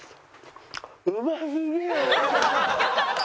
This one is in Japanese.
よかった！